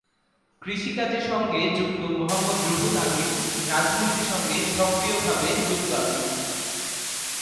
কৃষি কাজের সাথে যুক্ত মোহাম্মদ রুহুল আমিন রাজনীতির সঙ্গে সক্রিয় ভাবে যুক্ত আছেন।